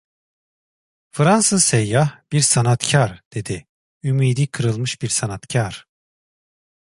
Fransız seyyah: "Bir sanatkar…" dedi, "Ümidi kırılmış bir sanatkar…".